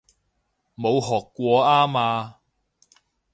冇學過吖嘛